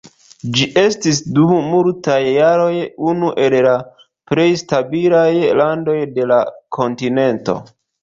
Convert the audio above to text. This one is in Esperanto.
Ĝi estis dum multaj jaroj unu el la plej stabilaj landoj de la kontinento.